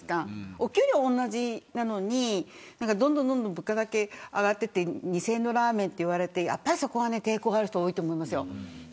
お給料同じなのにどんどん物価だけ上がっていって２０００円のラーメンと言われてやっぱり、そこは抵抗がある人多いと思いますよ。